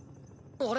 あれ？